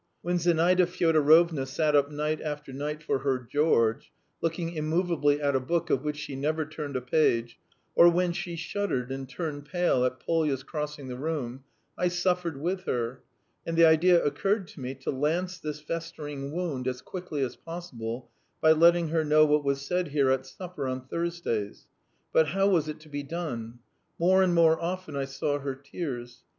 When Zinaida Fyodorovna sat up night after night for her George, looking immovably at a book of which she never turned a page, or when she shuddered and turned pale at Polya's crossing the room, I suffered with her, and the idea occurred to me to lance this festering wound as quickly as possible by letting her know what was said here at supper on Thursdays; but how was it to be done? More and more often I saw her tears.